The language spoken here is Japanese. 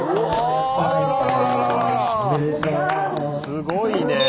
すごいねえ。